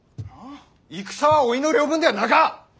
戦はおいの領分ではなか。